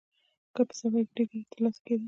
که په سفر کې ډېره ګټه ترلاسه کېده